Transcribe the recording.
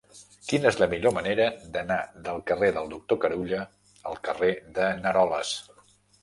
Quina és la millor manera d'anar del carrer del Doctor Carulla al carrer de n'Aroles?